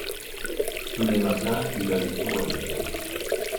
tous les matins il allait tôt à l'école.